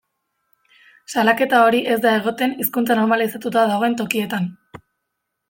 Salaketa hori ez da egoten hizkuntza normalizatuta dagoen tokietan.